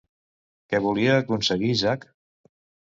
Què volia aconseguir Zack?